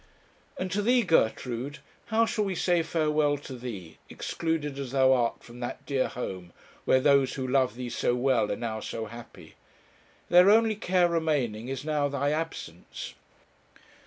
And to thee, Gertrude how shall we say farewell to thee, excluded as thou art from that dear home, where those who love thee so well are now so happy? Their only care remaining is now thy absence.